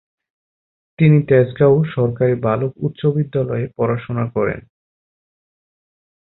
তিনি তেজগাঁও সরকারী বালক উচ্চ বিদ্যালয়ে পড়াশোনা করেন।